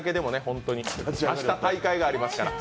明日、大会がありますから。